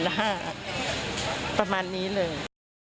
๑๕๐๐บาทประมาณนี้เลย